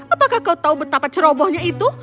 apakah kau tahu betapa cerobohnya itu